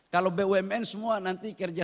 kalau bumn semua nanti kerja